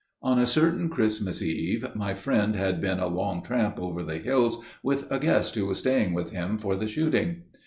"On a certain Christmas Eve my friend had been a long tramp over the hills with a guest who was staying with him for the shooting.